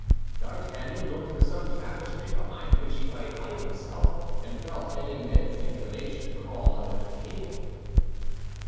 D'Artagnan looked for some tapestry behind which he might hide himself, and felt an immense inclination to crawl under the table.